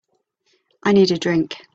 I need a drink.